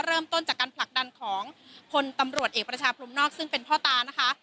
เริ่มต้นจากการผลักดันของพลตำรวจเอกประชาพรมนอกซึ่งเป็นพ่อตานะคะ